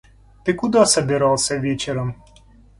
Ты куда собирался вечером?